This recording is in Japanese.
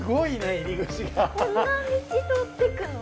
こんな道通ってくの？